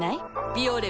「ビオレ」